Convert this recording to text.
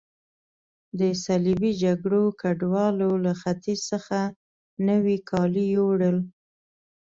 د صلیبي جګړو ګډوالو له ختیځ څخه نوي کالي یوړل.